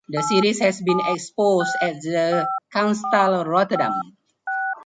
The series has been exposed at the Kunsthal Rotterdam.